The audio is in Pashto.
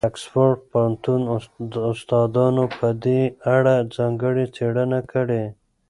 د اکسفورډ پوهنتون استادانو په دې اړه ځانګړې څېړنې کړي.